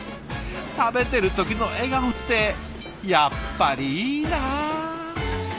食べてる時の笑顔ってやっぱりいいな。